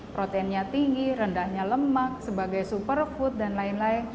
proteinnya tinggi rendahnya lemak sebagai superfood dan lain lain